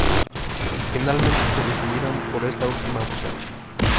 Finalmente se decidieron por esta última opción.